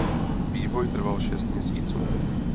Vývoj trval šest měsíců.